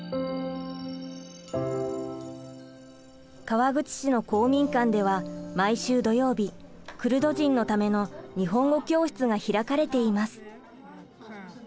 川口市の公民館では毎週土曜日クルド人のための日本語教室が開かれています。